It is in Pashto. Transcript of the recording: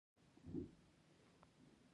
خو دوی بیرته اباد کړل.